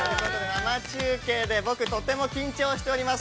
◆生中継で僕緊張しております。